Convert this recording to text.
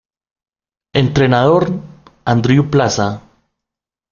Entrenador: Andreu Plaza